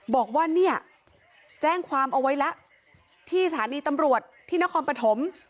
บอกว่าเนี่ยแจ้งความเอาไว้แล้วที่สถานีตำรวจที่นครปฐม